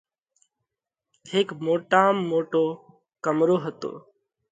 هيڪ موٽام موٽو ڪمرو هتو۔